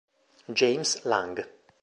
James Lang